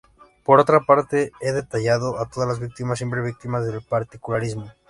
Por otra parte, he detallado a todas la víctimas, siempre víctimas, del particularismo.